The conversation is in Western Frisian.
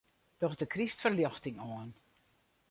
Doch de krystferljochting oan.